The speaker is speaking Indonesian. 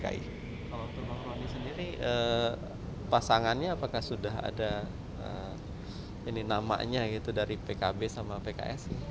kalau untuk bang roni sendiri pasangannya apakah sudah ada ini namanya gitu dari pkb sama pks